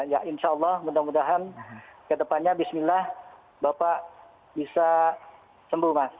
ya insya allah mudah mudahan ke depannya bismillah bapak bisa sembuh mas